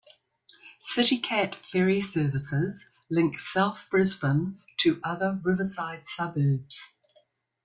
CityCat ferry services link South Brisbane to other riverside suburbs.